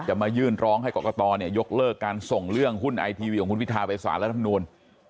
จะมายื่นร้องให้กรกษ์กระต่อยกเลิกการส่งเรื่องหุ้นไอทีวีของคุณพิธาประสาทและทั้งนู่น